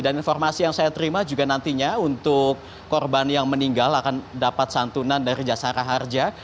informasi yang saya terima juga nantinya untuk korban yang meninggal akan dapat santunan dari jasara harja